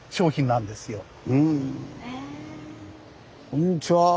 こんにちは。